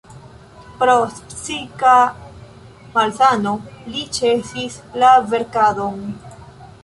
Pro psika malsano li ĉesis la verkadon.